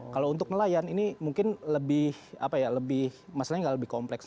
kalau untuk nelayan ini mungkin lebih apa ya lebih masalahnya nggak lebih kompleks